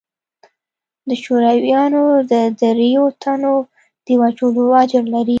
د شورويانو د درېو تنو د وژلو اجر لري.